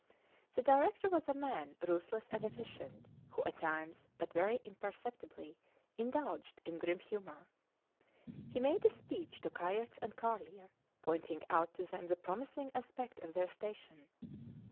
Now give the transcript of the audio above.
The director was a man ruthless and efficient, who at times, but very imperceptibly, indulged in grim humour. He made a speech to Kayerts and Carlier, pointing out to them the promising aspect of their station.